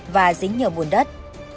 và dính nhiều mùn đất